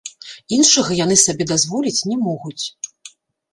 Іншага яны сабе дазволіць не могуць.